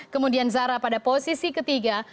kemudian zara pada posisi ketiga